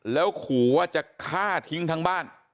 แล้วขู่ว่าจะฆ่าทิ้งทั้งบ้าน